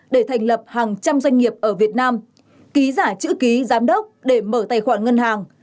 để thành lập hàng trăm doanh nghiệp ở việt nam ký giả chữ ký giám đốc để mở tài khoản ngân hàng